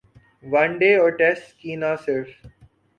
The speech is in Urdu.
ون ڈے اور ٹیسٹ کی نہ صرف